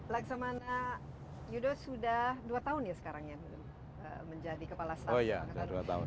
laksamana yudho sudah dua tahun ya sekarang ya menjadi kepala staff